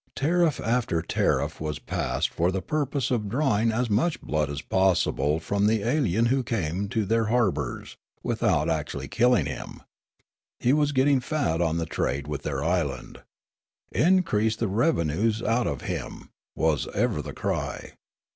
Tariff after tariff was passed for the purpose of drawing as much blood as possible from the alien who came to their harbours, without actualh' killing him. He was getting fat on the trade with their island. Increase the revenues out of him, was ever the crj'.